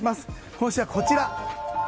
今週は、こちら。